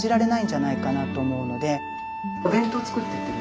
お弁当作ってってる？